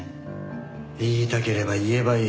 言いたければ言えばいい。